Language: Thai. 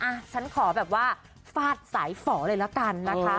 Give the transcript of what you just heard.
อ่ะฉันขอแบบว่าฟาดสายฝ่อเลยละกันนะคะ